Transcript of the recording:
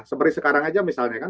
seperti sekarang aja misalnya kan